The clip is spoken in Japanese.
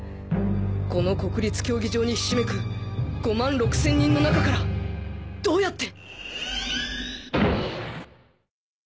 この国立競技場にひしめく５万６千人の中からどうやって！？